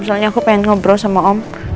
soalnya aku pengen ngobrol sama om